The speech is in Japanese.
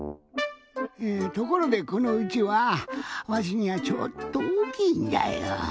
えところでこのうちわわしにはちょっとおおきいんじゃよ。